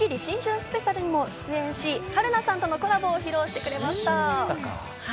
スペシャルにも出演し、春菜さんとのコラボを披露しました。